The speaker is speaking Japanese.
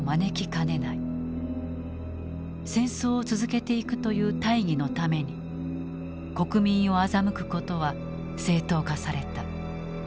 戦争を続けていくという大義のために国民を欺くことは正当化された。